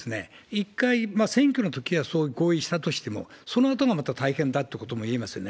一回、選挙のときは合意したとしても、そのあとがまた大変だということもいえますよね。